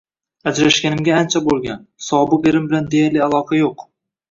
Ajrashganimga ancha bo‘lgan, sobiq erim bilan deyarli aloqa yo‘q.